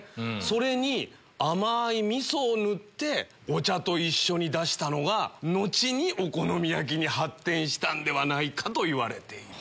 それに甘い味噌を塗ってお茶と一緒に出したのが後にお好み焼きに発展したのでは？といわれている。